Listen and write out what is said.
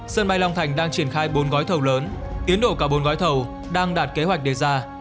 sân bay long thành đang triển khai bốn gói thầu lớn tiến độ cả bốn gói thầu đang đạt kế hoạch đề ra